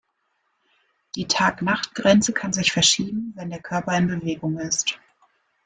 Die Tag-Nacht-Grenze kann sich verschieben, wenn der Körper in Bewegung ist.